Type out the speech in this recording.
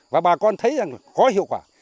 và bà con thấy rằng là có hiệu quả